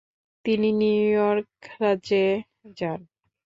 তিনি New York রাজ্যে যান।